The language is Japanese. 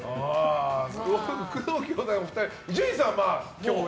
工藤兄弟のお二人伊集院さんは共演は。